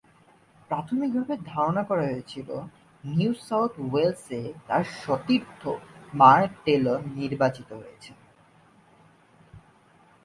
প্রাথমিকভাবে ধারণা করা হয়েছিল নিউ সাউথ ওয়েলসে তার সতীর্থ মার্ক টেলর নির্বাচিত হয়েছেন।